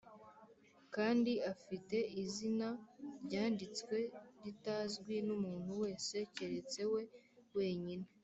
kandi afite izina ryanditswe ritazwi n’umuntu wese keretse we wenyine.